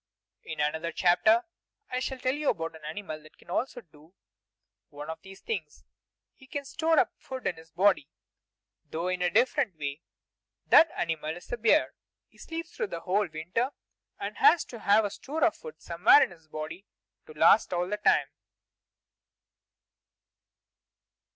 In another chapter I shall tell you about an animal that can also do one of these things: he can store up food in his body, though in a different way. That animal is the bear. He sleeps through the whole winter, and has to have a store of food somewhere in his body to last all that time.